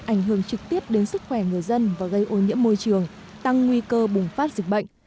ảnh hưởng trực tiếp đến sức khỏe người dân và gây ô nhiễm môi trường tăng nguy cơ bùng phát dịch bệnh